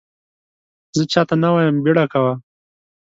زه چا ته نه وایم بیړه کوه !